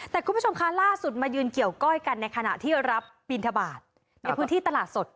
แต่คุณผู้ชมคะล่าสุดมายืนเกี่ยวก้อยกันในขณะที่รับบินทบาทในพื้นที่ตลาดสด